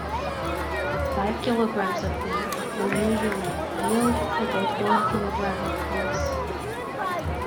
Five kilograms of meat will usually yield about one kilogram of floss.